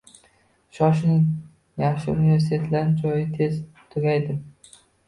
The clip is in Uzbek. Shoshiling, yaxshi universitetlarda joylar tez tugaydi.